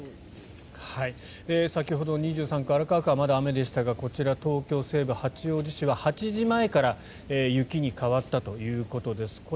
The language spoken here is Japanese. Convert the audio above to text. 先ほど２３区荒川区はまだ雨でしたがこちら東京西部、八王子市は８時前から雪に変わったということです。